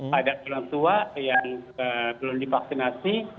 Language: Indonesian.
pada orang tua yang belum divaksinasi